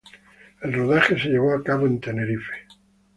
El rodaje se llevó a cabo en Tenerife.